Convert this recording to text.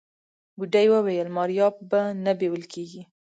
بوډۍ وويل ماريا به نه بيول کيږي.